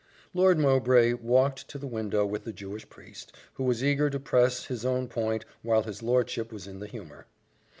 Lord Mowbray walked to the window with the Jewish priest, who was eager to press his own point while his lordship was in the humour.